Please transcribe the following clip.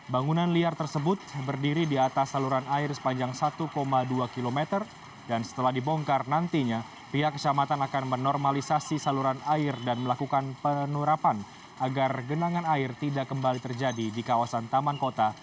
bangunan liar tersebut berdiri di atas saluran air sepanjang satu dua km dan setelah dibongkar nantinya pihak kecamatan akan menormalisasi saluran air dan melakukan penerapan agar genangan air tidak kembali terjadi di kawasan taman kota